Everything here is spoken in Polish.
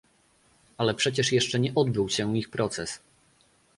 Ale przecież jeszcze nie odbył się ich proces